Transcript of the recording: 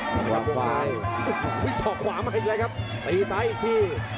วิสักขวามันอีกเลยครับตีซ้ายอีกที